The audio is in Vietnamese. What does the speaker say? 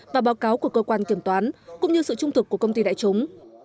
và báo cáo của cơ quan kiểm toán cũng như sự trung thực của công ty đại chúng